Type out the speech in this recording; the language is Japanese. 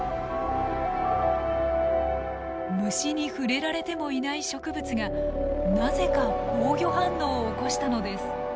虫に触れられてもいない植物がなぜか防御反応を起こしたのです。